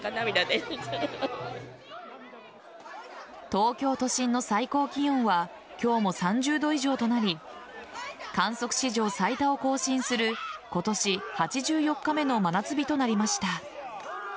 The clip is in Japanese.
東京都心の最高気温は今日も３０度以上となり観測史上最多を更新する今年８４日目の真夏日となりました。